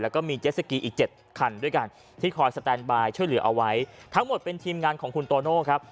แล้วก็มีเจสสกีอีกเจ็ดคันด้วยกันที่คอยสแตนบายช่วยเหลือเอาไว้ทั้งหมดเป็นทีมงานของคุณโตโน่ครับ